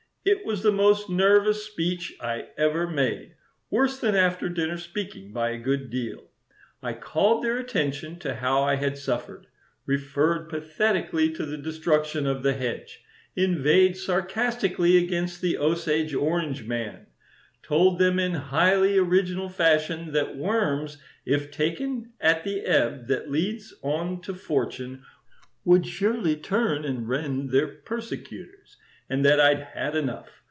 It was the most nervous speech I ever made; worse than after dinner speaking by a good deal. I called their attention to how I had suffered: referred pathetically to the destruction of the hedge; inveighed sarcastically against the Osage orange man; told them in highly original fashion that worms, if taken at the ebb that leads on to fortune, would surely turn and rend their persecutors, and that I'd had enough.